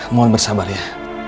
mohon bersabar ya